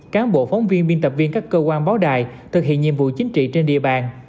cán bộ phóng viên biên tập viên các cơ quan báo đài thực hiện nhiệm vụ chính trị trên địa bàn